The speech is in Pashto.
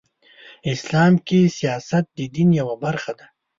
اسلام کې سیاست د دین یوه برخه ده .